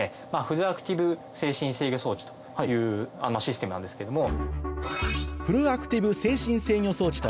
フルアクティブ制振制御装置というシステムなんですけども。